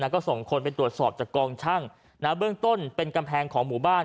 ก็ส่งคนไปตรวจสอบจากกองช่างเบื้องต้นเป็นกำแพงของหมู่บ้าน